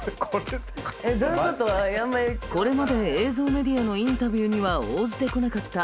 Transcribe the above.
これまで映像メディアのインタビューには応じてこなかったｉｍｍａさん。